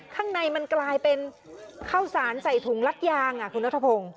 ข้างในมันกลายเป็นข้าวสารใส่ถุงลัดยางคุณนัทพงศ์